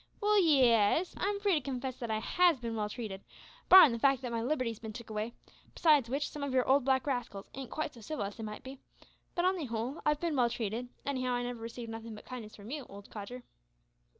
"Well, y e es, I'm free to confess that I has bin well treated barrin' the fact that my liberty's bin took away; besides which, some of your black rascals ain't quite so civil as they might be, but on the whole, I've been well treated; anyhow I never received nothin' but kindness from you, old codger."